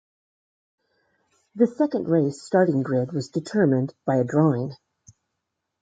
The second race starting grid was determined by a drawing.